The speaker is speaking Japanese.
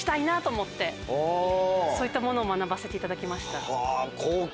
そういったものを学ばせていただきました。